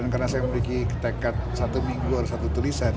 karena saya memiliki tekad satu minggu atau satu tulisan